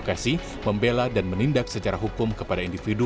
tim pembela jokowi